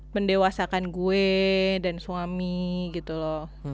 mendewasakan gue dan suami gitu loh